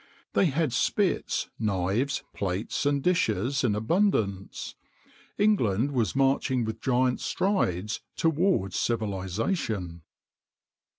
They had spits, knives, plates, and dishes in abundance. England was marching with giant strides towards civilization.